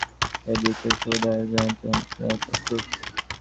এ দিকে সুভদ্রাহরণ গীতিনাট্য রিহার্শালশেষে প্রস্তুত।